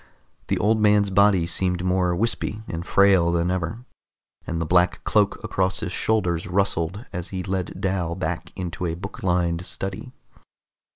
The old man's body seemed more wispy and frail than ever, and the black cloak across his shoulders rustled as he led Dal back into a book lined study.